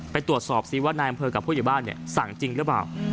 ไปตรวจสอบซิว่านายอำเภอกับผู้ใหญ่บ้านสั่งจริงหรือเปล่า